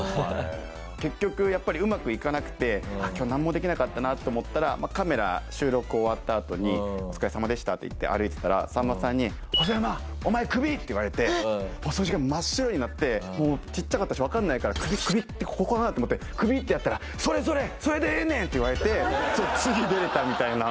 結局やっぱりうまくいかなくて今日なんもできなかったなって思ったらカメラ収録終わったあとに「お疲れさまでした」って言って歩いてたらさんまさんに「細山お前クビ！」って言われてその瞬間真っ白になってもうちっちゃかったしわかんないから首ってここかな？と思って「首？」ってやったら「それそれ！それでええねん」って言われて次出れたみたいな。